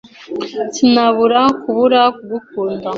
Sinabura kubura kugukunda.